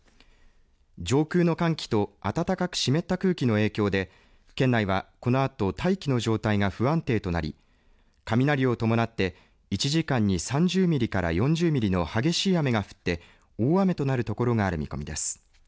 上空の寒気と暖かく湿った空気の影響で県内はこのあと大気の状態が不安定となり雷を伴って１時間に３０ミリから４０ミリの激しい雨が降って大雨となる所がある見込みです。